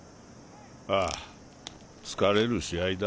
ああ疲れる試合だ。